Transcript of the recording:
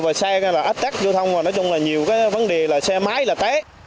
và xe ất tắc vô thông và nhiều vấn đề là xe máy là té